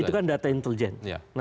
itu kan data intelijen